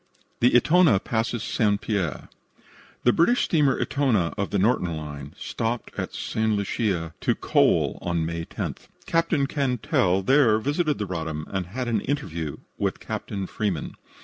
THE "ETONA" PASSES ST. PIERRE The British steamer Etona, of the Norton Line, stopped at St. Lucia to coal on May 10th. Captain Cantell there visited the Roddam and had an interview with Captain Freeman.